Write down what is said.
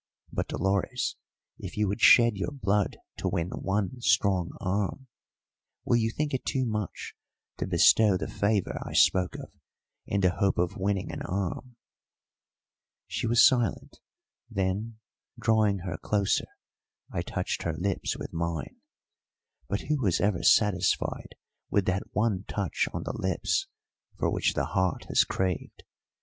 "But, Dolores, if you would shed your blood to win one strong arm, will you think it too much to bestow the favour I spoke of in the hope of winning an arm?" She was silent. Then, drawing her closer, I touched her lips with mine. But who was ever satisfied with that one touch on the lips for which the heart has craved?